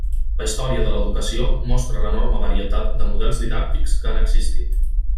La història de l'educació mostra l'enorme varietat de models didàctics que han existit.